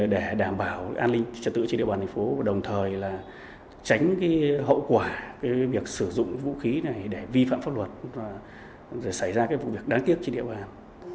để đảm bảo an ninh trà tự trên địa bàn tp đồng thời tránh hậu quả việc sử dụng vũ khí này để vi phạm pháp luật xảy ra vụ việc đáng tiếc trên địa bàn